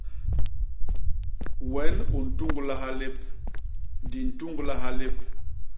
Wen u ntuñglaha lép; di ntuñglaha lép.